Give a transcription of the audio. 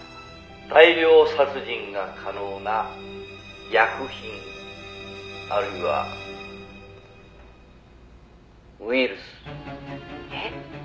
「大量殺人が可能な薬品あるいは」「ウイルス」「えっ？」